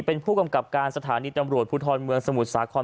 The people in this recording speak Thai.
เป็นผู้กำกับการสถานีตำรวจภูทรเมืองสมุทรสาคร